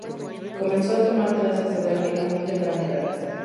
Comenzó a tomar clases de baile a muy temprana edad.